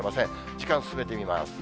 時間、進めてみます。